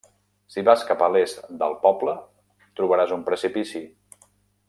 Si vas cap a l'est del poble, trobaràs un precipici.